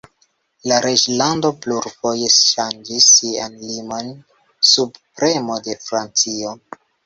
La reĝlando plurfoje ŝanĝis siajn limojn, sub premo de Francio.